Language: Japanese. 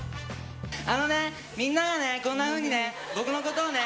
あのね、みんながねこんなふうに、僕のことをね。